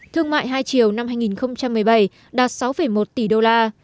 thương mại hai triệu năm hai nghìn một mươi bảy đạt sáu một tỷ đô la